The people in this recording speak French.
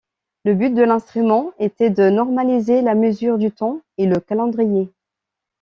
Le but de l'instrument était de normaliser la mesure du temps et le calendrier.